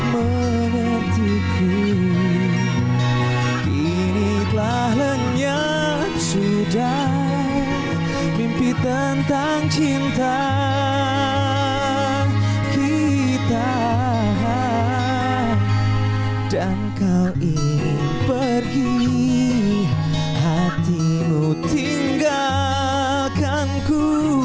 menentuku ini telah lenyap sudah mimpi tentang cinta kita dan kau ini pergi hatimu tinggalkanku